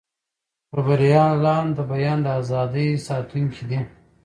خبریالان د بیان د ازادۍ ساتونکي دي.